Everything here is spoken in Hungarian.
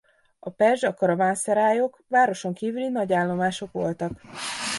A perzsa karavánszerájok városon kívüli nagy állomások voltak.